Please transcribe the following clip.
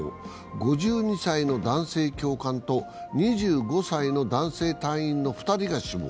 ５２歳の男性教官と２５歳の男性隊員の２人が死亡。